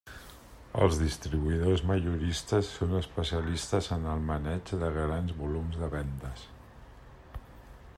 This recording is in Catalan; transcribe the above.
Els distribuïdors majoristes són especialistes en el maneig de grans volums de vendes.